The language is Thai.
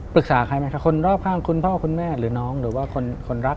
ใครไหมคะคนรอบข้างคุณพ่อคุณแม่หรือน้องหรือว่าคนรัก